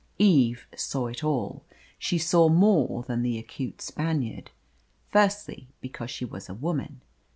Eve saw it all. She saw more than the acute Spaniard. Firstly, because she was a woman.